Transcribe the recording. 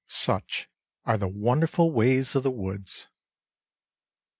Such are the wonderful ways of the woods!